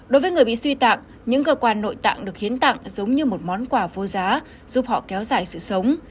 đối với người bị suy tặng những cơ quan nội tạng được hiến tặng giống như một món quà vô giá giúp họ kéo dài sự sống